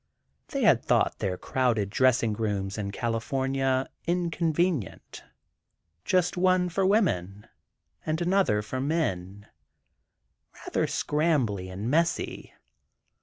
They had thought their crowded dressing rooms in California inconvenient—just one for women and another for men, rather scrambly and messy